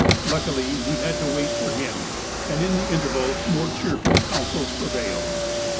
Luckily we had to wait for him, and in the interval more cheerful counsels prevailed.